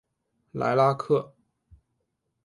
莱拉克。